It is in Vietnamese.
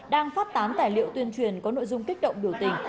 đang phát tán tài liệu tuyên truyền có nội dung kích động biểu tình